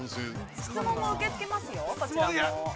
◆質問も受けつけますよ。